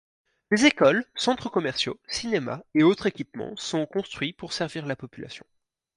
Des écoles, centres commerciaux, cinémas et autres équipements sont construits pour servir la population.